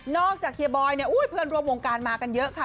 จากเฮียบอยเนี่ยอุ้ยเพื่อนร่วมวงการมากันเยอะค่ะ